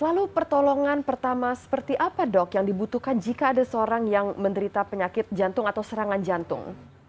lalu pertolongan pertama seperti apa dok yang dibutuhkan jika ada seorang yang menderita penyakit jantung atau serangan jantung